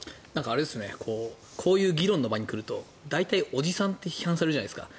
こういう議論の場に来ると大体、おじさんって批判されるじゃないですか。